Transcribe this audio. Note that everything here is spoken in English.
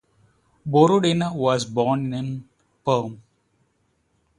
Borodina was born in Perm.